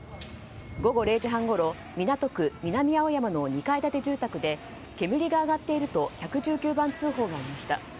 午後０時半ごろ港区南青山の２階建て住宅で煙が上がっていると１１９番通報がありました。